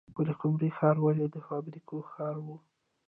پلخمري ښار ولې د فابریکو ښار و؟